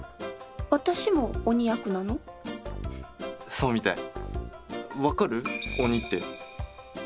そうみたい。